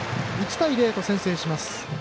１対０と先制します。